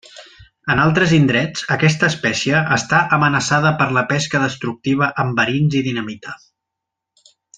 En altres indrets, aquesta espècie està amenaçada per la pesca destructiva amb verins i dinamita.